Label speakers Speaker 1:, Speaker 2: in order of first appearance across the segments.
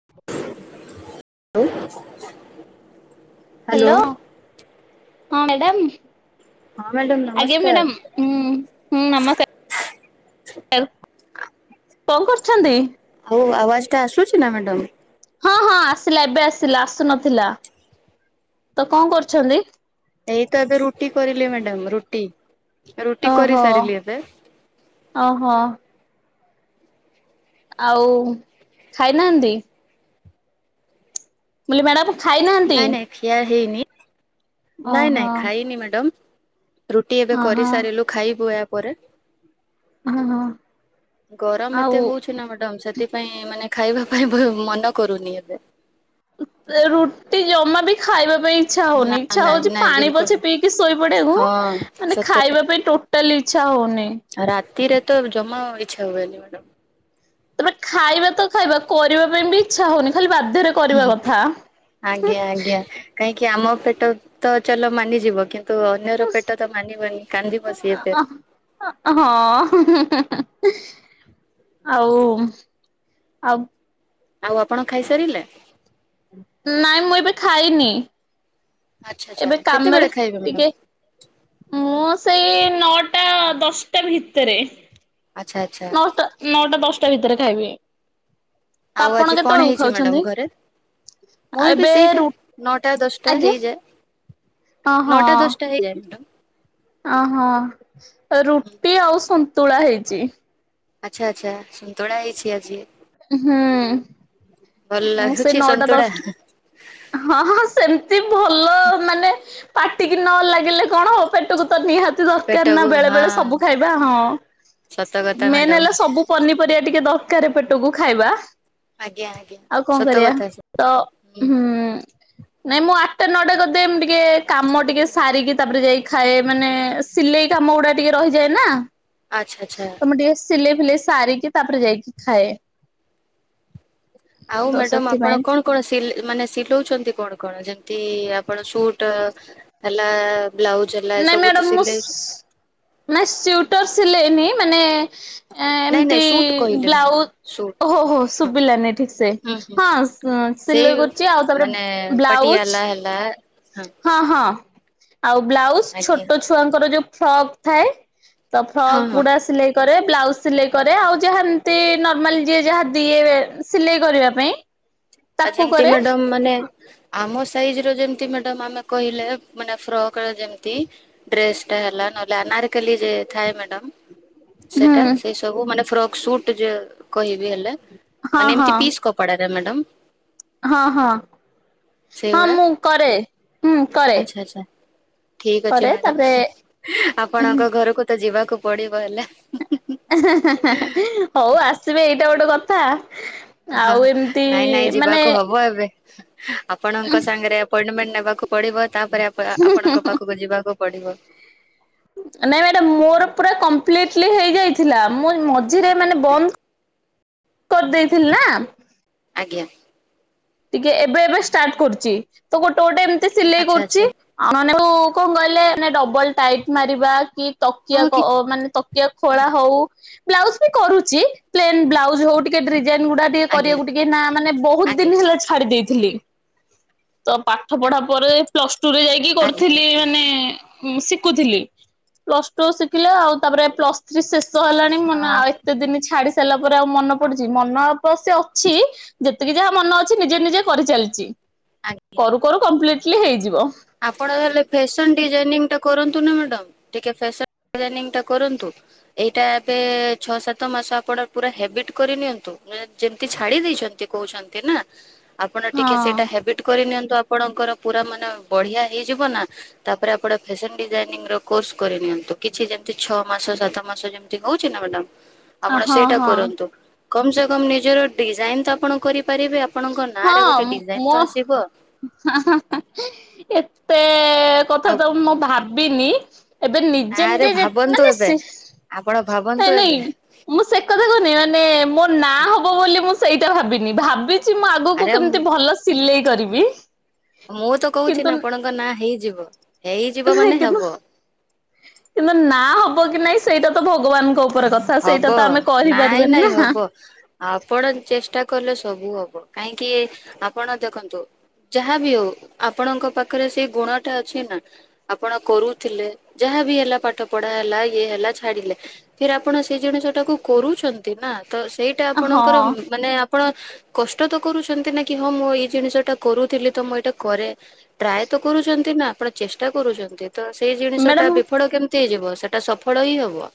Speaker 1: [inaudible]
Speaker 2: Hello, ହଁ madam,
Speaker 1: ହଁ madam
Speaker 2: ଆଜ୍ଞା
Speaker 1: ନମସ୍କାର।
Speaker 2: ମ୍ୟାଡ଼ମ୍। ହୁଁ, ହୁଁ ନମଷ୍କାର [inaudible] କଣ କରୁଛନ୍ତି?
Speaker 1: ହଉ ଆୱାଜଟା ଆସୁଛି ନା ମ୍ୟାଡ଼ାାମ୍?
Speaker 2: ହଁ ହଁ ଆସିଲା ଏବେ ଆସିଲା ଆସୁନଥିଲା, ତ କଣ କରୁଛନ୍ତି?
Speaker 1: ଏଇତ ଏବେ ରୁଟି କରିଲେ ମ୍ୟାଡାାମ୍ ରୁଟି। ରୁଟି
Speaker 2: ଓହୋ,
Speaker 1: କରିସାରିଲି ଏବେ।
Speaker 2: ଓହୋ। ଆଉ ଖାଇନାହାନ୍ତି? ମୁ କହିଲି ମ୍ୟାଡ଼ାମ୍।
Speaker 1: ନାଇଁ ନାଇଁ ଖିଆ ହେଇନି, ନାଇଁ
Speaker 2: ଓହୋ
Speaker 1: ନାଇଁ ଖାଇନି ମ୍ୟାଡ଼ାମ୍। ରୁଟି ଏବେ
Speaker 2: ଓହୋ
Speaker 1: କରିସାରିଲୁ ଖାଇବୁ ଏହା ପରେ।
Speaker 2: ଓହୋ
Speaker 1: ଗରମ
Speaker 2: ଆଉ
Speaker 1: ଏତେ ହଉଛି ନା ମ୍ୟାଡ଼ାମ୍ ସେଥିପାଇଁ ମାନେ ଖାଇବା ପାଇଁ ଭ ମନ କରୁନି ଏବେ।
Speaker 2: ଏ ରୁଟି ଜମାବି ଖାଇବା ପାଇଁ ଇଚ୍ଛା ହଉନି,
Speaker 1: ନାଇଁ
Speaker 2: ଇଚ୍ଛା
Speaker 1: ନାଇଁ
Speaker 2: ହଉଛି
Speaker 1: ନାଇଁ
Speaker 2: ପାଣି
Speaker 1: ବିଲକୁଲ
Speaker 2: ପଛେ
Speaker 1: ନାଇଁ।
Speaker 2: ପିଇକି ଶୋଇ ପଡ଼ିବାକୁ
Speaker 1: ହଁ
Speaker 2: ମାନେ
Speaker 1: ସତରେ
Speaker 2: ଖାଇବା ପାଇଁ ଟୋ ଟାଲି ଇଚ୍ଛା ହଉନି।
Speaker 1: ରାତିରେ ତ ଜମା ଇଚ୍ଛା ହୁଏନି ମ୍ୟାଡ଼ାମ୍।
Speaker 2: ତେବେ ଖାଇବା ତ ଖାଇବା କରିବା ପାଇଁ ବି ଇଚ୍ଛା ହଉନି ଖାଲି ବାଧ୍ୟରେ କରିବା କଥା, ହୁଁ
Speaker 1: ଆଜ୍ଞା ଆଜ୍ଞା କାହିଁକି କି ଆମ ପେଟ ତ ଚାଲ ମାନିଯିବ କିନ୍ତ୍ ନ୍ତୁ ଅନ୍ୟର ପେଟ ତ ମାନିବନି କାନ୍ଦିବ ସିଏ ଫେର୍।
Speaker 2: ହଁ [unintelligible] ଆଉମ୍, ଆଉ
Speaker 1: ଆଉ ଆପଣ ଖାଇସାରିଲେ?
Speaker 2: ନାଇଁ ମୁଁ ଏବେ ଖାଇନି,
Speaker 1: ଆଚ୍ଛା ଆଚ୍ଛା
Speaker 2: ଏବେ
Speaker 1: କେତେବେଳେ
Speaker 2: କାମରେ
Speaker 1: ଖାଇବେ ମ୍ୟାଡ଼ାମ?
Speaker 2: ଟିକେ ମୁଁ ସେଇ ନଅଟା ଦଶଟା ଭିତରେ।
Speaker 1: ଆଚ୍ଛା ଆଚ୍ଛା
Speaker 2: ନଅଟା, ନଅଟା ଦଶଟା ଭିତରେ ଖାଇବି। ତ
Speaker 1: ଆଉ
Speaker 2: ଆପଣ
Speaker 1: ଆଜି କଣ
Speaker 2: କେତେବେଳକୁ
Speaker 1: ହେଇଛି
Speaker 2: ଖାଉଛନ୍ତି?
Speaker 1: ମ୍ୟାଡ଼ାମ୍ ଘରେ? ମୋର ବି
Speaker 2: ଏବେ
Speaker 1: ସେଇଟା
Speaker 2: ରୁ
Speaker 1: ନଅଟା ଦଶଟା
Speaker 2: ଆଜ୍ଞା
Speaker 1: ହେଇଯାଏ, ନଅଟା ଦଶଟା ହେଇଯାଏ।
Speaker 2: ଅହଁ, ରୁଟି ଆଉ ସନ୍ତୁଳା ହେଇଚି।
Speaker 1: ଆଚ୍ଛା! ଆଚ୍ଛା! ସନ୍ତୁଳା ହେଇଛି ଆଜି।
Speaker 2: ହୁଁ,
Speaker 1: ଭଲ
Speaker 2: ମୁଁ ସେ
Speaker 1: ଲାଗୁଛି
Speaker 2: ନଅଟା
Speaker 1: ସନ୍ତୁଳା?
Speaker 2: ଦଶ୍ ହଁ, ହଁ, ସେମତି ଭଲ ମାନେ ପାଟିକି ନ ଲାଗିଲେ କଣ ହବ ପେଟକୁ ତ ନିହା ତି ଦରକାର ନା
Speaker 1: ପେଟକୁ
Speaker 2: ବେଳେ
Speaker 1: ହଁ
Speaker 2: ବେଳେ ସବୁ ଖାଇବା ହଁ,
Speaker 1: ସତ କଥା
Speaker 2: ମେନ୍
Speaker 1: ମ୍ୟାଡାମ
Speaker 2: ହେଲା ସବୁ ପନିପରିବା ଟିକେ ଦରକାର ପେଟକୁ ଖାଇବା।
Speaker 1: ଆଜ୍ଞା ଆଜ୍ଞା
Speaker 2: ଆଉ କଣ
Speaker 1: ସତ
Speaker 2: କରିବା,
Speaker 1: କଥା
Speaker 2: ତ, ହୁଁ। ନାଇଁ ମୁଁ ଆଟ୍ଟା ନଅଟା କରିଦିଏ ଏମ୍ ଟିକେ କାମ ଟିକେ ସାରିକି ତାପରେ ଯାଇ ଖାଏ ମାନେ ସିଲେଇ କାମ ଗୁଡ଼ା ଟିକେ ରହିଯାଏ ନା!
Speaker 1: ଆଚ୍ଛା ଆଚ୍ଛା।
Speaker 2: ତ ମୁଁ ଟିକେ ସିଲେଇ ଫିଲେଇ ସାରିକି ତାପରେ ଯାଇକି ଖାଏ।
Speaker 1: ଆଉ
Speaker 2: ତ
Speaker 1: ମ୍ୟାଡାମ୍ ଆପଣ
Speaker 2: ସେଥିପାଇଁ
Speaker 1: କଣ କଣ ସିଲ୍ ମାନେ ସିଲଉଛନ୍ତି କଣ କଣ? ଯେମିତି ଆପଣ ସୁଟ୍ ହେଲା ବ୍ଲାଉଜ୍ ହେଲା
Speaker 2: ନାଇଁ
Speaker 1: ଏସବୁ ତ
Speaker 2: ମ୍ୟାଡାମ
Speaker 1: ସିଲେଇ
Speaker 2: ମୁଁ ନାଇଁ ସ୍ଵିଟର ସିଲେଇନି ମାନେ ଏଁ
Speaker 1: ନାଇଁ
Speaker 2: ଏମିତି
Speaker 1: ନାଇଁ ସୁଟ କହିଲେ ମ୍ୟାଡାମ
Speaker 2: ବ୍ଲାଉ,
Speaker 1: ସୁଟ।
Speaker 2: ହୋ ହୋ,
Speaker 1: ହଁ
Speaker 2: ଶୁଭିଲାନି ଠିକ୍ ସେ
Speaker 1: ହୁଁ ହୁଁ
Speaker 2: ହଁ।
Speaker 1: ହୁଁ
Speaker 2: ହଁ
Speaker 1: ସେଇ
Speaker 2: ସିଲେଇ କରୁଛି ଆଉ ତାପରେ ବ୍ଲାଉଜ
Speaker 1: ନା ଆ
Speaker 2: ହଁ ହଁ ଆଉ ବ୍ଲାଉଜ
Speaker 1: ଆଜ୍ଞା
Speaker 2: ଛୋଟ ଛୁଆଙ୍କର ଯୋଉ ଫ୍ରକ୍ ଥାଏ। ତ
Speaker 1: ହଁ
Speaker 2: ଫ୍ରକ୍
Speaker 1: ହଁ
Speaker 2: ଗୁଡା ସିଲେଇ କରେ ବ୍ଲାଉଜ ସିଲେଇ କରେ ଆଉ ଯାହା ଏମିତି ନର୍ମାଲ ଯିଏ ଯାହା ଦିଏ ସିଲେଇ କରିବା ପାଇଁ
Speaker 1: ଆ
Speaker 2: ତାକୁ
Speaker 1: ଯେମିତି
Speaker 2: କରେ
Speaker 1: ମ୍ୟାଡ଼ ମାନେ ଆମ ସାଇଜ୍ର ଯେମିତି ମ୍ୟାଡ଼ମ୍ ଆମେ କହିଲେ ମାନେ ଫ୍ରକର ଯେମିତି ଡ୍ରେସ୍ ଟା ହେଲା ନଲେ ଆ ଅନାରକଲି ଯେ ଥାଏ ମ୍ୟାଡାମ୍।
Speaker 2: ହୁଁ
Speaker 1: ସେଟା ସେଇ ସବୁ ମାନେ ଫ୍ରକ୍ ସୁଟ ଯେ କହିବି ହେଲେ
Speaker 2: ହଁ
Speaker 1: ମାନେ
Speaker 2: ହଁ
Speaker 1: ଏମତି ପିସ୍ କ ପଡାକା ମ୍ୟାଡ଼ାମ
Speaker 2: ହଁ ହଁ ହଁ
Speaker 1: ସେଇଗୁଡା
Speaker 2: ମୁଁ କରେ ହୁଁ କରେ।
Speaker 1: ଆଚ୍ଛା ଆଚ୍ଛା ଠିକ ଅଛି
Speaker 2: କରେ ତାପରେ
Speaker 1: ମ୍ୟାଡାମ ଆପଣଙ୍କ ଘରକୁ ତ ଯିବାକୁ ପଡିବ ହେଲା।
Speaker 2: ହେଁ ହେଁ ହଉ ଆସିବେ ଏଇଟା ଗୋଟେ କଥା।
Speaker 1: ହଁ ହଁ
Speaker 2: ଆଉ ଏମିତି
Speaker 1: ନାଇଁ ନାଇଁ
Speaker 2: ମାନେ
Speaker 1: ଯିବାକୁ ହବ ଏବେ। ଆପଣଙ୍କ ସାଙ୍ଗରେ ଆପଏଣ୍ଟମେଣ୍ଟ ନେବାକୁ ପଡିବ। ତାପରେ ଆପଣଙ୍କ ପାଖକୁ ଯିବାକୁ ପଡିବ।
Speaker 2: ନାଇଁ ମ୍ୟାଡାମ ମୋର ପୁରା କମ୍ପ୍ଲିଟଲି ହେଇଯାଇଥିଲା ମୁଁ ମଝିରେ ମାନେ
Speaker 1: ଆଜ୍ଞା
Speaker 2: ବନ୍ଦ କରିଦେଇଥିଲି ନା।
Speaker 1: ଆଜ୍ଞା।
Speaker 2: ଟିକେ ଏବେ ଏବେ ଷ୍ଟାର୍ଟ କରୁଛି ତ ଗୋଟେ ଗୋଟେ ଏମିତି ସିଲେଇ
Speaker 1: ଆଚ୍ଛା
Speaker 2: କରୁଛି।
Speaker 1: ଆଚ୍ଛା
Speaker 2: ଆ କଣ କହିଲେ ଡବଲ ଟାଇଟ ମାରିବା କି ତକିଆ
Speaker 1: ହଁ କି
Speaker 2: ଅ ମାନେ ତକିଆ
Speaker 1: ହୁଁ
Speaker 2: ଖୋଳା ହଉ। ବ୍ଲାଉଜ ବି କରୁଛି ପ୍ଲେନ୍ ବ୍ଲାଉଜ ହଉ ଟିକେ ଡିଜାଇନ୍ ଗୁଡା ଟିକେ
Speaker 1: ଆଜ୍ଞା
Speaker 2: କରିବାକୁ ଟିକେ କି ନା ମାନେ ବୋହୁତ
Speaker 1: ଆଜ୍ଞା
Speaker 2: ଦିନ ହେଲା ଛାଡି ଦେଇଥିଲି ତ ପା ପାଠ ପଢା
Speaker 1: ଆଜ୍ଞା
Speaker 2: ପରେ ପ୍ଲସ ଟୁ ରେ ଯାଇକି
Speaker 1: ଆଜ୍ଞା
Speaker 2: କରିଥିଲି
Speaker 1: ଆଜ୍ଞା
Speaker 2: ମାନେ ଶିଖୁଥିଲି ପ୍ଲସ ଟୁ ଶିଖିଲେ ଆଉ ତାପରେ ପ୍ଲସ୍ ଥ୍ରୀ ଶେଷ ହେଲାଣି ମନେ
Speaker 1: ହଁ
Speaker 2: ଆଉ ଏତେ ଦିନ ଛାଡି ସାରିଲା ପରେ ଆଉ ମନ ପଡୁଛି ମନ ଅବଶ୍ୟ ଅଛି ଯେତିକି ଯାହା ମନ ଅଛି ଅଛି ନିଜେ ନିଜେ କରିଚାଲିଛି।
Speaker 1: ଆଜ୍ଞା।
Speaker 2: କରୁ କରୁ କମ୍ପ୍ଲିଟିଲି ହେଇଯିବ।
Speaker 1: ଆପଣ ହେଲେ ଫ୍ୟାସନ ଡିଜାଇନିଂ ଟା କରନ୍ତୁ ନା ମ୍ୟାଡ଼ାମ ଟିକେ ଫ୍ୟାସନ ଡିଜାଇନି ଟା କରନ୍ତୁ। ଏଇଟା ଏବେ ଛଅ ସାତ ମାସ ଆପଣ ପୁରା ହେବିଟ କରି ନିିଅନ୍ତୁ ମାନେ ଯେମିତି ଛାଡି ଦେଇଛନ୍ତି। କହୁଛନ୍ତି ନା ଆପଣ ଟିକେ ସେଇଟା
Speaker 2: ହଁ
Speaker 1: ହବିଟ କରି ନିିଅନ୍ତୁ ଆପଣଙ୍କର ପୁରା ମାନେ ବଢିଆ ହେଇଯିବ ନା ତାପରେ ଆପଣ ଫ୍ୟାସନ ଡିଜାଇନିଂ ର କୋର୍ସ କରି ନିିଅନ୍ତୁ କିଛି ଯେମିତି ଛଅ ମାସ ସାତ ମାସ ଯେମତି ହଉଛି ନା ମ୍ୟାଡମ। ଆପଣ
Speaker 2: ହଁ
Speaker 1: ସେଇଟା
Speaker 2: ହଁ
Speaker 1: କରନ୍ତୁ କମ ସେ କମ ନିଜର ଡିଜାଇନ ତ ଆପଣ କରିପାରିବେ ଆପଣଙ୍କ ନାଁ ରେ
Speaker 2: ହଁ
Speaker 1: ଗୋଟେ ଡିଜାଇନ
Speaker 2: ମୋ
Speaker 1: ତ ଆସିବ।
Speaker 2: ଏତେ କଥା
Speaker 1: ଆଉ
Speaker 2: ତ ମୁଁ ଭାବିନି। ଏବେ ନିଜେ
Speaker 1: ଆରେ
Speaker 2: ନିଜେ ଜେତ୍
Speaker 1: ଭାବନ୍ତୁ
Speaker 2: ମାନେ
Speaker 1: ଏବେ
Speaker 2: ସି
Speaker 1: ଆପଣ ଭାବନ୍ତୁ
Speaker 2: ନାଇଁ ନାଇଁ।
Speaker 1: ଏବେ
Speaker 2: ମୁଁ ସେ କଥା କହୁନି ମାନେ ମୋ ନାଁ ହବ ବୋଲି ମୁଁ ସେଇଟା ଭାବିନି ଭାବିଛି ମୁଁ ଆଗକୁ
Speaker 1: ଆରେ
Speaker 2: କେମିତି ଭଲ ସିଲେଇ କରିବି।
Speaker 1: ମୁଁ ତ କହୁଛି
Speaker 2: କିନ୍ତୁ
Speaker 1: ନା ଆପଣଙ୍କ ନା ହେଇଯିବ ହେଇଯିବ ମାନେ
Speaker 2: କିନ୍ତୁ
Speaker 1: ହବ।
Speaker 2: କିନ୍ତୁ ନା ହବ କି ନାଇଁ ସେଇଟା ତ ଭଗବାନଙ୍କ ଉପରେ କଥା। ସେଇଟା
Speaker 1: ହବ
Speaker 2: ତ ଆମେ
Speaker 1: ନାଇଁ
Speaker 2: କରିପାରିବାନି ନା।
Speaker 1: ନାଇଁ ହବ। ଆପଣ ଚେଷ୍ଟା କଲେ ସବୁ ହବ କାହିଁକି ଆପଣ ଦେଖନ୍ତୁ ଯାହା ବିି ହଉ ଆପଣଙ୍କ ପାଖରେ ସେଇ ଗୁଣ ଟା ଅଛି ନା ଆପଣ କରୁଥିଲେ ଯାହାବି ହେଲା ପାଠ ପଢା ହେଲା ଇଏ ହେଲା ଛାଡିଲେ ଫିରି ଆ ଆପଣ ସେ ଜିଣିଷଟାକୁ କରୁଚନ୍ତି ନା ତ ସେଇଟା
Speaker 2: ହଁ
Speaker 1: ଆପଣଙ୍କର ମ୍ ମାନେ ଆପଣ କଷ୍ଟ ତ କରୁଚନ୍ତି ନା କି ହଁ ମୁଁ ଏଇ ଜିନିଷ ଟା କରୁଥିଲି ତ ମୁଁ ଏଇଟା କରେ। ଟ୍ରାଏ ତ କରୁଚନ୍ତି ନା ଆପଣ ଚେଷ୍ଟା କରୁଚନ୍ତି। ତ ସେଇ ଜିନିଷ ଟା
Speaker 2: ମ୍ୟାଡାମ
Speaker 1: ବିଫଳ କେମିତି ହେଇଯିବ ସେଟା ସଫଳ ହିଁ ହବ।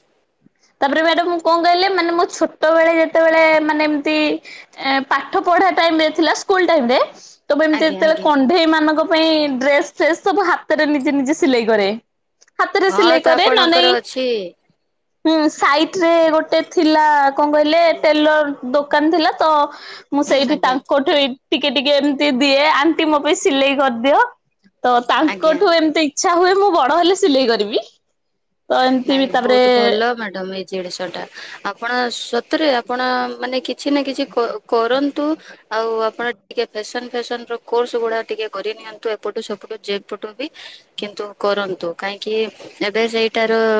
Speaker 2: ତାପରେ ମ୍ୟାଡାମ୍ ମୁଁ କଣ କହିଲେ ମାନେ ମୋ ଛୋଟବେଳେ ଯେତେବେଳେ ମାନେ ଏମିତି ଏଁ ପାଠ ପଢା ଟାଇମ୍ ରେ ଥିଲା ସ୍କୁଲ ଟାଇମ୍ ରେ ତ ମୁଁ ଏମିତି
Speaker 1: ଆଜ୍ଞା
Speaker 2: ଯେତେବେଳେ
Speaker 1: ଆଜ୍ଞା।
Speaker 2: କଣ୍ଢେଇ ମାନଙ୍କ ପାଇଁ ଡ୍ରେସ ଫ୍ରେସ୍ ସବୁ ହାତରେ ନିଜେ ନିଜେ ସିଲେଇ କରେ। ହାତରେ ସିଲେଇ କରେ ନ ନାଇଁ
Speaker 1: ଚି
Speaker 2: ହୁଁ ସାଇଟ୍ ରେ ଗୋଟେ ଥିଲା କଣ କହିଲେ ଟେଲର ଦୋକାନ ଥିଲା ତ ମୁଁ ସେଇଠି
Speaker 1: ଆଜ୍ଞା
Speaker 2: ତାଙ୍କଠୁ ଟିକେ ଟିକେ ଏମିତି ଦିଏ ଆଣ୍ଟି ମୋ ପାଇଁ ସିଲେଇ କରିଦିଅ। ତ
Speaker 1: ଆଜ୍ଞା
Speaker 2: ତାଙ୍କଠୁ ଏମିତି ଇଚ୍ଛା ହୁଏ ମୁଁ ବଡ ହେଲେ ସିଲେଇ କରିବି। ତ ଏମିତି ବି ତାପରେ
Speaker 1: ତ ମ୍ୟାଡ଼ମ୍ ଏଇ ଜିଡ଼ିସ ଟା ଆପଣ ସତରେ ଆପଣ ମାନେ କିଛି ନା କିଛି କ କରନ୍ତୁ ଆଉ ଆପଣ ଟିକେ ଫ୍ୟାସନ ଫ୍ୟାସନ ର କୋର୍ସ ଗୁଡା ଟିକେ କରି ନିିଅନ୍ତୁ ଏପଟୁ ସେପଟୁ ଯେପଟୁ ବି କିନ୍ତୁ କରନ୍ତୁ କାହିଁକି ଏବେ ସେଇ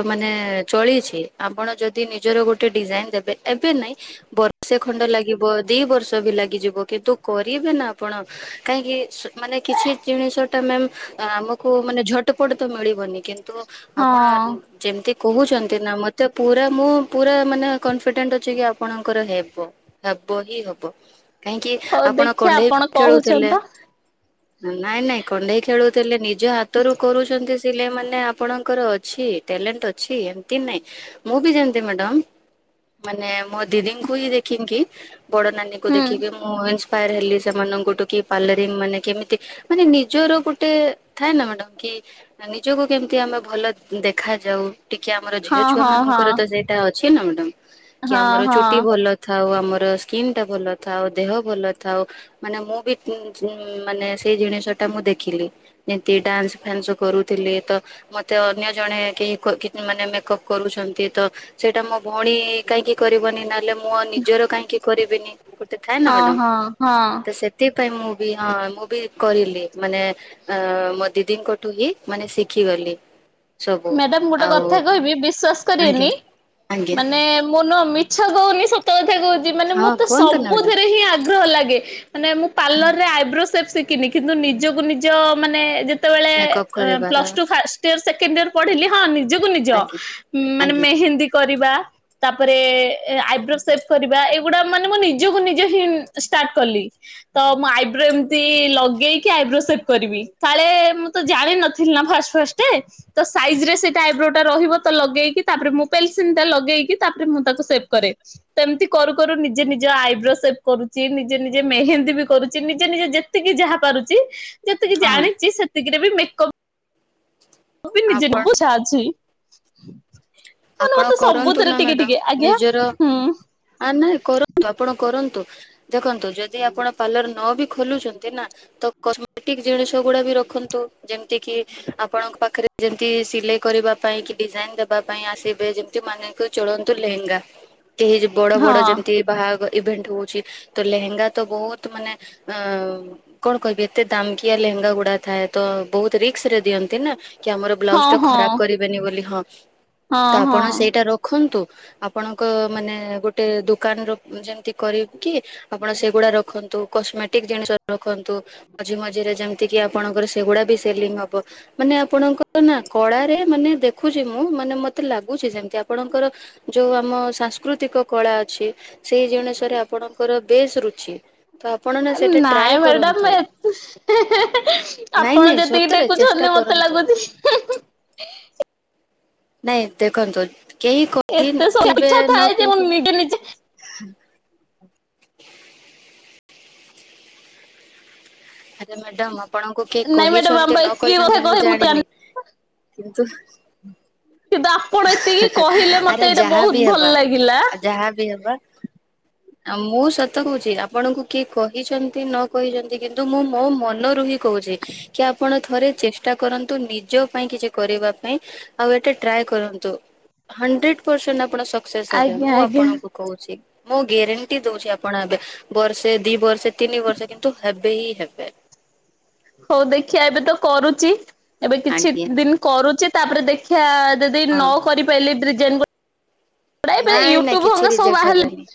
Speaker 1: ମାନେ ଚଳିଚି ଆପଣ ଯଦି ନିଜର ଗୋଟେ ଡିଜାଇନ୍ ଦେବେ ଏବେ ନାଇଁ ବର୍ଷେ ଖଣ୍ଡେ ଲାଗିବ ଦି ବର୍ଷ ବି ଲାଗିଯିବ କିନ୍ତୁ କରିବେ ନା ଆପଣ କାହିଁକି ମାନେ କିଛି ଜିନିଷ ଟା ମ୍ୟାମ୍ ଆମକୁ ମାନେ ଝଟପଟ ତ ମିଳିବନି କିନ୍ତୁ
Speaker 2: ହଁ
Speaker 1: କଣ ଯେମିତି କହୁଚନ୍ତି ନା ମତେ ପୁରା ମୁଁ ପୁରା ମାନେ କନଫିଡେଣ୍ଟ ଅଛି କି ଆପଣଙ୍କର ହେବ। ହବ ହିଁ ହବ କାହିଁକି
Speaker 2: ହଉ
Speaker 1: ଆପଣ
Speaker 2: ଦେଖିଆ
Speaker 1: କଣ୍ଢେଇ
Speaker 2: ଆପଣ କହୁଛନ୍ତି
Speaker 1: ଖେଳୁଥିଲେ
Speaker 2: ତ
Speaker 1: ନାଇଁ ନାଇଁ କଣ୍ଢେଇ ଖେଳୁଥିଲେ ନିଜ ହାତରୁ କରୁଚନ୍ତି ସିଲେଇ ମାନେ ଆପଣଙ୍କର ଅ ଅଛି ଟ୍ୟାଲେଣ୍ଟେ ଅଛି ଏମିତି ନାଇଁ ମୁଁ ବି ଯେମିତି ମ୍ୟାଡ଼ାମ ମାନେ ମୋ ଦିଦିଙ୍କୁ ହି ଦେଖିକି ବଡ ନାନୀଙ୍କୁ
Speaker 2: ହୁଁ
Speaker 1: ଦେଖିକି ମୁଁ ଇନ୍ସପାୟାର ହେଲି ସେମାନଙ୍କଠୁ କି ପଲେରିଙ୍ଗ ମାନେ କେମିତି ମାନେ ନିଜର ଗୋଟେ ଥାଏ ନା ମ୍ୟାଡାମ୍ କି ନିଜକୁ କେମିତି ଆମେ ଭଲ ଦେଖାଯାଉ ଟିକେ ଆମର ଝିଅ
Speaker 2: ହଁ
Speaker 1: ଛୁଆ
Speaker 2: ହଁ ହଁ
Speaker 1: ମାନଙ୍କର ତ ସେଇଟା ଅଛି ନା ମ୍ୟାଡାମ୍। କି
Speaker 2: ହଁ
Speaker 1: ଆମର
Speaker 2: ହଁ
Speaker 1: ଚୁଟି ଭଲ ଥାଉ ଆମର ସ୍କିନ୍ ଟା ଭଲ ଥାଉ ଦେହ ଭଲ ଥାଉ। ମାନେ ମୁଁ ବି ତିନି ମାନେ ସେଇ ଜିନିଷ ଟା ମୁଁ ଦେଖିଲି ଯେମତି ଡ୍ୟାନ୍ସ ଫ୍ୟାନ୍ସ କରୁଥିଲେ ତ ମତେ ଅ ଅନ୍ୟ ଜଣେ କେହି କୋ କି ମାନେ ମେକଅପ୍ କରୁଛନ୍ତି ତ ସେଇଟା ମୋ ଭଉଣୀ କାହିଁକି କରିବନି ନା ଲେ ମୁଁ ନିଜର କାହିଁକି କରିବିନି ଗୋଟେ ଥାଏ ନା
Speaker 2: ହଁ
Speaker 1: ମ୍ୟାଡ଼ାମ
Speaker 2: ହଁ ହଁ
Speaker 1: ତ ସେ ସେଥିପାଇଁ ମୁଁ ବି ହଁ ମୁଁ ବି କରିଲି ମାନେ ଅଁ ମୋ ଦିଦିଙ୍କଠୁ ହିଁ ମାନେ ଶିଖିଗଲି। ସବୁ
Speaker 2: ମ୍ୟାଡାମ ଗୋଟେ
Speaker 1: ଆଉ
Speaker 2: କଥା କହିବି ବିଶ୍ଵାସ କରିବେନି
Speaker 1: ଆଜ୍ଞା ଆଜ୍ଞା
Speaker 2: ମାନେ ମୁଁ ନୁହଁ ମି ଛ କହୁନି ସତ କଥା କହୁଚି ମାନେ
Speaker 1: ହଁ
Speaker 2: ମତେ
Speaker 1: କୁହନ୍ତୁ ନା ମ୍ୟାଡ଼ାମ
Speaker 2: ସବୁଥିରେ ହିଁ ଆଗ୍ରହ ଲାଗେ। ମାନେ ମୁଁ ପାର୍ଲର ରେ ଆଇବ୍ରୋ ସେପ୍ ଶିଖିନି କିନ୍ତୁ ନିଜକୁ ନିଜ ମାନେ ଯେ ସେତେବେଳେ
Speaker 1: ମେକଅପ୍
Speaker 2: ଅଁ
Speaker 1: କରିବାର
Speaker 2: plus two first year second year ପଢିଲି ହଁ ନି ନିଜକୁ ନିଜ
Speaker 1: ଆଜ୍ଞା
Speaker 2: ମାନେ
Speaker 1: ଆଜ୍ଞା
Speaker 2: ମେହେନ୍ଦୀ କରିବା ତାପରେ ଆଇବ୍ରୋ ସେପ୍ କରିବା ଏଗୁଡା ମାନେ ମୁଁ ନିଜକୁ ନିଜେ ହିଁ ଷ୍ଟାର୍ଟ କଲି। ତ ମୁଁ ଆଇବ୍ରୋ ଏମିତି ଲଗେଇକି ଆଇବ୍ରୋ ସେପ୍ କରିବି କାଳେ ମୁଁ ତ ଜାଣିନଥିଲି ନା ଫାଷ୍ଟ ଫାଷ୍ଟ ସ କେ ତ ସାଇଜ ରେ ସେଇଟା ଆଇବ୍ରୋ ଟା ରହିବ ତ ଲଗେଇକି ତାପରେ ମୁଁ ପେନସିଲ ଟା ଲଗେଇକି ତାପରେ ମୁଁ ତାକୁ ସେଭ୍ କରେ ସେମିତି କରୁ କରୁ ନିଜେ ନିଜ ଆଇବ୍ରୋ ସେପ୍ କରୁଛି ନିଜେ ନିଜେ ମେହେନ୍ଦୀ ବି କରୁଛି ନିଜେ ନିଜେ ଯେ ତିକି ଯାହା ପାରୁଛି ଯେତିକି
Speaker 1: ହଁ
Speaker 2: ଜାଣିଛି ସେତିକିରେ ବି ମେକଅପ୍ ତ ନିଜେ [unintelligible]
Speaker 1: ଆପଣ
Speaker 2: ବୁଝା ଆଛ ମାନେ
Speaker 1: ଆପଣ
Speaker 2: ମତେ
Speaker 1: କରନ୍ତୁ
Speaker 2: ସବୁଥିରେ
Speaker 1: ନା
Speaker 2: ଟିକେ ଟିକେ
Speaker 1: ମ୍ୟାଡ଼ାମ
Speaker 2: ଆଜ୍ଞା
Speaker 1: ନିଜର
Speaker 2: ହୁଁ।
Speaker 1: ଆ ନାଇଁ କରନ୍ତୁ, ଆପଣ କରନ୍ତୁ। ଦେଖନ୍ତୁ ଯଦି ଆପଣ ପାର୍ଲର ନ ବି ଖୋଲୁଛନ୍ତି ନା ତ କସ୍ମେଟିକ୍ ଜିନିଷ ଗୁଡା ବି ରଖନ୍ତୁ ଯେମିତି କି ଆପଣଙ୍କ ପାଖରେ ଯେମିତି ସିଲେଇ କରିବା ପାଇଁ କି ଡିଜାଇନ୍ ଦେବା ପାଇଁ ଆସିବେ ଯେମିତି ମାନେ ଚଳନ୍ତୁ ଲେହେଙ୍ଗା କେହି ବଡ ବଡ
Speaker 2: ହଁ
Speaker 1: ଯେମିତି, ବାହାଘ ଇଭେଣ୍ଟ ହଉଛି ତ ଲେହେଙ୍ଗା ତ ବହୁତ୍ ମାନେ ଅ କଣ କହିବେ ଏତେ ଦାମ୍ କିିଆ ଲହେଙ୍ଗା ଗୁଡା ଥାଏ ତ ବହୁତ୍ ରିକ୍ସ ରେ ଦିଅନ୍ତି ନା କି ଆମର
Speaker 2: ହଁ
Speaker 1: ବ୍ଲାଉଜ୍ ଟା
Speaker 2: ହଁ।
Speaker 1: ଖରାପ କରି ବେନୀ ବୋଲି ହଁ
Speaker 2: ହଁ
Speaker 1: ତ ଆପଣ
Speaker 2: ହଁ
Speaker 1: ସେଇଟା ରଖନ୍ତୁ ଆପଣଙ୍କ ମାନେ ଗୋଟେ ଦୋକାନ ର ଯେମିତି କରିକି ଆପଣ ସେଗୁଡା ରଖନ୍ତୁ କସ୍ମେଟିକ୍ ଜିନିଷ ରଖନ୍ତୁ। ମଝି ମଝିରେ ଯେମିତି କିି ଆପଣଙ୍କର ସେଗୁଡା ବି ସେଲିଙ୍ଗ୍ ହବ ମାନେ ଆପଣଙ୍କ ନା କଳାରେ ମାନେ ଦେଖୁଛି ମୁଁ ମାନେ ମତେ ମୋତେ ଲାଗୁଛି ଯେମିତି ଆପଣଙ୍କର ଯୋଉ ଆମ ସାଂସ୍କୃତିକ କଳା ଅଛି। ସେଇ ଜିଣିଶ ରେ ଆପଣଙ୍କର ବେଶ୍ ରୁଚି। ତ ଆପଣ ନା ସେଇଟା ଟ୍ରାଏ
Speaker 2: ନାଇଁ
Speaker 1: କରନ୍ତୁ
Speaker 2: ମ୍ୟାଡାମ ଏତେ
Speaker 1: ନାଇଁ
Speaker 2: ଆପଣ
Speaker 1: ନାଇଁ
Speaker 2: ଯେତିକି
Speaker 1: ସତରେ ଚେଷ୍ଟା
Speaker 2: ଟେକୁଛନ୍ତି ମତେ ତ
Speaker 1: କରନ୍ତୁ
Speaker 2: ଲାଗୁଛି [inaudible]
Speaker 1: ନାଇଁ ଦେଖନ୍ତୁ କେହି
Speaker 2: ଏତେ ସବୁ
Speaker 1: କହିଥିବେ
Speaker 2: ପିଠା
Speaker 1: ନ
Speaker 2: ଥାଏ ଯେ ମୁଁ ନିଜେ ନିଜେ
Speaker 1: କହିଥିବେ। [inaudible] ଯେ ମ୍ୟାଡାମ ଆପଣଙ୍କୁ କିଏ
Speaker 2: ନାଇଁ ମ୍ୟାଡାମ ଆମ
Speaker 1: କହିଛନ୍ତି
Speaker 2: ବା
Speaker 1: ନ
Speaker 2: ଏତିକି କଥା
Speaker 1: କହିଛନ୍ତି ମୁଁ
Speaker 2: କହେ ତ
Speaker 1: ଜାଣିନି। କିନ୍ତୁ
Speaker 2: କିନ୍ତୁ ଆପଣ ଏତିକି କହିଲେ ମତେ
Speaker 1: ଆରେ
Speaker 2: ଏଇଟା
Speaker 1: ଯାହା
Speaker 2: ବହୁତ
Speaker 1: ବି
Speaker 2: ଭଲ
Speaker 1: ହବା
Speaker 2: ଲାଗିଲା।
Speaker 1: ଯାହା ବି ହବା। ଆଉ ମୁଁ ସତ କହୁଛି ଆପଣଙ୍କୁ କିଏ କହିଛନ୍ତି ନ କହିଛନ୍ତି କିନ୍ତୁ ମୁଁ ମୋ ମନରୁ ହିଁ କହୁଛି। କି ଆପଣ ଥରେ ଚେଷ୍ଟା କରନ୍ତୁ ନିଜ ପାଇଁ କିଛି କରିବା ପାଇଁ। ଆଉ ଏଟା ଟ୍ରାଏ କରନ୍ତୁ ହଣ୍ଡରେଟ୍ ପର୍ ସେଣ୍ଟ
Speaker 2: ଆଜ୍ଞା
Speaker 1: ମୁଁ
Speaker 2: ଆଜ୍ଞା
Speaker 1: ଆପଣ କୁ କହୁଛି ମୁଁ ଗ୍ୟାରେଣ୍ଟି ଦଉଛି ଆପଣ ଏବେ ବର୍ଷେ ଦି ବର୍ଷେ ତିନି ବର୍ଷେ କିନ୍ତୁ ହେ ବେ ହେବେ।
Speaker 2: ହଉ ଦେଖିବା ଏବେ ତ କରୁଛି ଏବେ କିଛି
Speaker 1: ଆଜ୍ଞା
Speaker 2: ଦିନ କରୁଛି। ତାପରେ ଦେଖିବା ଯଦି
Speaker 1: ହଁ।
Speaker 2: ନ କରିପାରିଲେ? ଡିଜାଇନ୍
Speaker 1: ନାଇଁ ନାଇଁ କିଛି
Speaker 2: ସବୁ
Speaker 1: ରିଜେକ୍ଟ ହେବେନି।
Speaker 2: ବାହାରିଲେ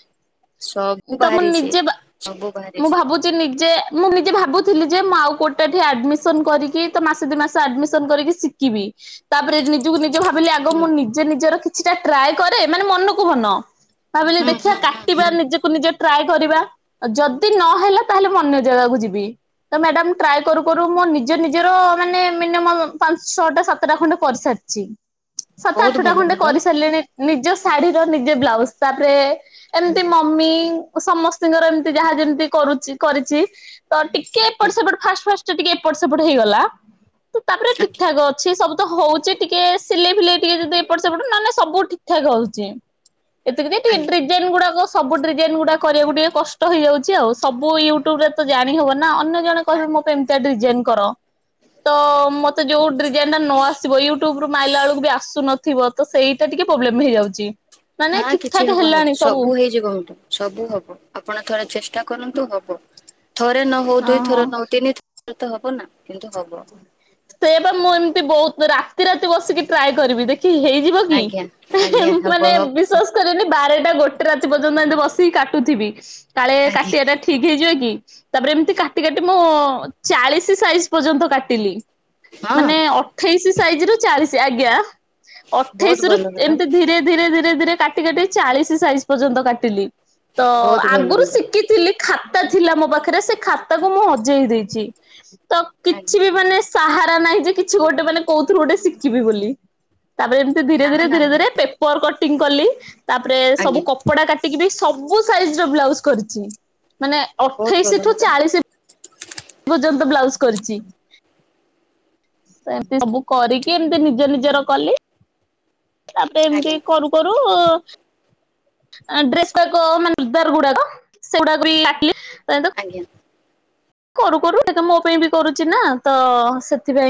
Speaker 1: ସବୁ
Speaker 2: ତ ମୁଁ
Speaker 1: ବାହାରିଛି
Speaker 2: ନିଜେ
Speaker 1: ସବୁ
Speaker 2: ମୁଁ
Speaker 1: ବାହାରିଛି।
Speaker 2: ଭାବୁଛି ନିଜେ ମୁଁ ନିଜେ ଭାବୁଥିଲି ଯେ ମୁଁ ଆଉ କୋଟେ ଏଠି ଆଡମିସନ କରିକି ତ ମାସ ଦି ମାସ ଆଡମିସନ କରିକି କିିବି ତାପରେ ନିଜକୁ ନିଜେ ଭାବିଲି ଆଗ
Speaker 1: ହୁଁ
Speaker 2: ମୁଁ ନିଜେ ନିଜର କିଛିଟା ଟ୍ରାଏ କରେ ମାନେ ମନକୁ ମନ ଭାବିଲି
Speaker 1: ହୁଁ
Speaker 2: ଦେଖିବା
Speaker 1: ହୁଁ ହୁଁ
Speaker 2: କାଟିବା
Speaker 1: ହୁଁ
Speaker 2: ନିଜେ---ନିଜେହିଁ ନିଜେ ଟ୍ରାଏ କରିବା ଯଦି ନହେଲା ତାହେଲେ ମୁନ୍ୟ ଜାଗାକୁ ଯିବି ତ ମ୍ୟାଡାମ ଟ୍ରାଏ କରୁ କରୁ ମୋ ନିଜ ନିଜର ମାନେ ମିନିମମ ପାଞ୍ଚ ଛଅଟା ସାତଟା ଖଣ୍ଡେ କରିସାରିଛି। ଚି ସାତ
Speaker 1: ବହୁତ
Speaker 2: ଆଠଟା
Speaker 1: ଭଲ
Speaker 2: ଖଣ୍ଡେ
Speaker 1: ମ୍ୟାଡାମ
Speaker 2: କରିସାରିଲେଣି। ନିଜ ଶାଢୀର ନିଜ ବ୍ଲାଉଜ ତାପରେ ଏମିତି
Speaker 1: ଆଜ୍ଞା।
Speaker 2: ମ ମମି ସମସ୍ତତିଙ୍କର ଏମିତି ଯାହା ଯେମିତି କରୁଚି କରିଛି ତ ଟିକେ ଏପଟ
Speaker 1: ଆଜ୍ଞା
Speaker 2: ସେପଟେ ଫାଷ୍ଟ ଫାଷ୍ଟ ଟିକେ ଏପଟ ସେପଟ ହେଇଗଲା। ତ ତାପରେ ଠିକ
Speaker 1: ଆଜ୍ଞା
Speaker 2: ଠାକ ଅଛି ସବୁ ତ ହୋଉଚି। ଟିକେ ସିଲେଇ ଫିଲେଇ ଟିକେ ଯଦି ଏପଟ ସେପଟ ନହେଲେ ସବୁ ଠିକ ଠାକ ହୋଉଚି ଏତିକି
Speaker 1: ଆଜ୍ଞା
Speaker 2: ଟିକେେ ଡିଯାନ୍ ଗୁଡ଼ାକ ସବୁ ଡିଜାଇନ୍ ଗୁଡାକ କରିବାକୁ ଟିକେ କଷ୍ଟ ହେଇଯାଉଛି ଆଉ ସବୁ ୟୁଟ୍ୟୁବରେ ତ ଜାଣିହେବନି ନା ଅନ୍ୟ ଜଣେ କହିବି
Speaker 1: ଆଜ୍ଞା।
Speaker 2: ମୋ ପାଇଁ ଏମିତି ଡିଜାଇନ କର ତ ମତେ ଯୋଉ ଡିଜାଇନ ଟା ନ ଆସିବ ୟୁଟ୍ୟୁବୁରୁ ମାଇଲା ବେଳକୁ ବି ଆସୁନ ଥିବ ତ ସେଇଟା ଟିକେ ପ୍ରୋବ୍ଲେମ ହେଇଯାଉଛି। ମାନେ
Speaker 1: ନା
Speaker 2: ଠିକ
Speaker 1: କିଛି
Speaker 2: ଠାକ
Speaker 1: ହବନି
Speaker 2: ହେଲାଣି
Speaker 1: ସବୁ ହେଇଯିଚି କହନ୍ତୁ। ସବୁ ହବ ଆପଣ ଥରେ ଚେଷ୍ଟା କରନ୍ତୁ ହବ ଥରେ ନହୋଉ ଦୁଇ
Speaker 2: ଓହୋ
Speaker 1: ଥରେ ନହୋଉ ତିନି ଥର ତ ହବ ନା କିନ୍ତୁ ହବ।
Speaker 2: ସେ ବା ମୁଁ ଏମିତି ବୋହୁତ ରାତି ରାତି ବସିକି ଟ୍ରାଏ କରିବି ଦେଖି ହେଇ ଜିବକି
Speaker 1: ଆଜ୍ଞା ଆଜ୍ଞା ହବ
Speaker 2: ମାନେ
Speaker 1: ହବ
Speaker 2: ବିସ୍ଵାଆସ କୋଉଚନ୍ତି ବାରଟା ଗୋଟେ ରାତି ପର୍ଯ୍ୟନ୍ତ ଏମିତି ବସିକି କାଟୁଥିବି କାଳେ
Speaker 1: ଆଜ୍ଞା
Speaker 2: କାଟିବା ଟା ଠିକ ହେଇଯିବ କି ତାପରେ ଏମିତି କାଟି କାଟି ମୁଁ ଚାଳିଶି ସାଇଜ ପର୍ଯ୍ୟନ୍ତ କାଟିଲି।
Speaker 1: ହଁ
Speaker 2: ମାନେ ଅଠେଇଶି ସାଇଜ ରୁ ଚାଳିଶି ଆଜ୍ଞା
Speaker 1: ବହୁତ
Speaker 2: ଅଠେଇଶି ରୁ
Speaker 1: ଭଲ ମ୍ୟାଡାମ।
Speaker 2: ଏମତି ଧୀରେ ଧୀରେ ଧୀରେ ଧୀରେ କାଟି କାଟି ଚାଳିଶି ସାଇଜ ପର୍ଯ୍ୟନ୍ତ କାଟିଲି ତ
Speaker 1: ବହୁତ ଭଲ
Speaker 2: ଆଗରୁ
Speaker 1: ମ୍ୟାଡାମ
Speaker 2: ଶିଖି ଥିଲି ଖାତା ଥିଲା ମୋ ପାଖରେ ସେ ଖାତାକୁ ମୁଁ ହଜେଇ ଦେଇଛି ତ କିଛି
Speaker 1: ଆଜ୍ଞା
Speaker 2: ବି ମାନେ ସାହାରା ନାହିଁ ଯେ କିଛି ଗୋଟେ ମାନେ କହୁଥିଲୁ ଗୋଟେ ଶିଖିବି ବୋଲି ତାପରେ ଏମିତି ଧୀରେ
Speaker 1: ନା
Speaker 2: ଧୀରେ
Speaker 1: ନା
Speaker 2: ଧୀରେ ଧୀରେ ପେପର କଟିଂ କଲି ତାପରେ
Speaker 1: ଆଜ୍ଞା
Speaker 2: ସବୁ କପ କା କାଟିକି ବି ସବୁ ସାଇଜ ବ୍ଉଜ କରିଛି ମାନେ
Speaker 1: ବହୁତ ଭଲ
Speaker 2: ଅଠେଇଶଠୁ
Speaker 1: ମ୍ୟାଡାମ
Speaker 2: ଚାଳିଶି ପର୍ଯ୍ୟନ୍ତ ବ୍ଲାଉଜ କରିଛି। ସେମିତି ସବୁ କରିକି ଏମିତି ନିଜ ନିଜର କଲି। ତାପରେ ଏମିତି
Speaker 1: ଆଜ୍ଞା।
Speaker 2: କରୁ କରୁ ଡ୍ରେସ୍ ଟାକ ମାନେ ଚୁଦାର ଗୁଡାକ ସେଗୁଡାକ ବି କାଟିଲି
Speaker 1: ଆଜ୍ଞା।
Speaker 2: କରୁ କରୁ ଏ ତ ମୋ ପାଇଁ ବି କରୁଛି ନା ତ ସେଥିପାଇଁ